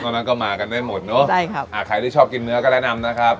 ตอนนั้นก็มากันได้หมดเนอะใช่ครับอ่าใครที่ชอบกินเนื้อก็แนะนำนะครับ